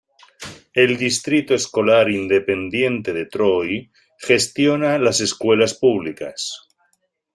El Distrito Escolar Independiente de Troy gestiona las escuelas públicas.